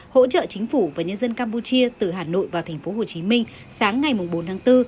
hỗ trợ chính phủ và nhân dân campuchia từ hà nội vào tp hcm sáng ngày bốn tháng bốn